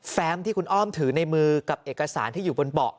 ที่คุณอ้อมถือในมือกับเอกสารที่อยู่บนเบาะ